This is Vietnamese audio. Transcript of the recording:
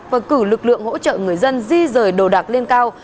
và cử lực lượng hỗ trợ người dân di rời đồ đạc lên cao